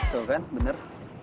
tuh kan bener